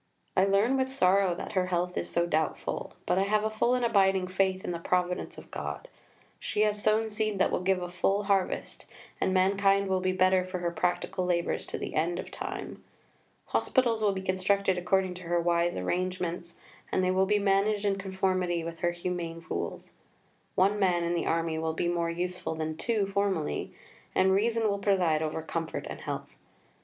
I learn with sorrow that her health is so doubtful, but I have a full and abiding faith in the providence of God. She has sown seed that will give a full harvest, and mankind will be better for her practical labours to the end of time. Hospitals will be constructed according to her wise arrangements, and they will be managed in conformity with her humane rules. One man in the army will be more useful than two formerly, and reason will preside over comfort and health.